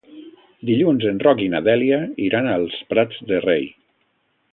Dilluns en Roc i na Dèlia iran als Prats de Rei.